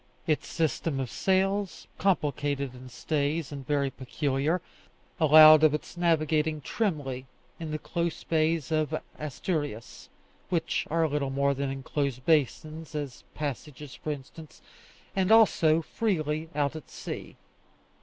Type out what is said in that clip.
Its system of sails, complicated in stays, and very peculiar, allowed of its navigating trimly in the close bays of Asturias (which are little more than enclosed basins, as Pasages, for instance), and also freely out at sea.